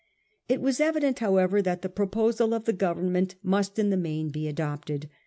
It was evident, however, that the proposal of the Government must in the main be adopted.